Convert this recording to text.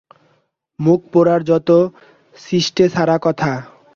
মুখপোড়ার যত ছিষ্টেছাড়া কথা।